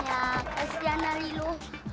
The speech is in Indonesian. ya kesian dari lu